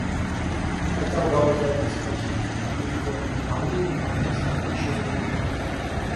И хотя удалось добиться значительных подвижек в этом направлении, нам предстоит еще долгий путь.